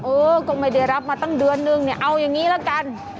เออก็ไม่ได้รับมาตั้งเดือนนึงเนี่ยเอาอย่างนี้ละกัน